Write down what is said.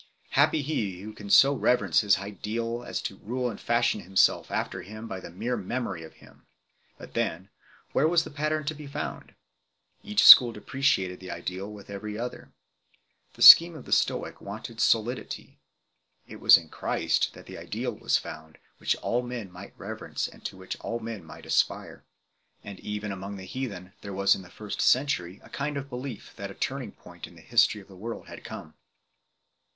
... Happy he who can so reverence his ideal as to rule and fashion himself after him by the mere memory of him !" But then, where was the pattern to be found ? Each school depreciated the ideal of every other. The scheme of the Stoic wanted solidity. It was in Christ that the ideal was found which all men might reverence and to which all men might aspire. And even among the heathen there was in the first century a kind of belief that a turning point in the history of the world had come.